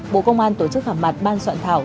bộ công an tổ chức họp mặt ban soạn thảo